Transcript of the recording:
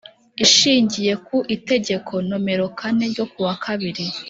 Ishingiye ku Itegeko nomero kane ryo kuwa kabiri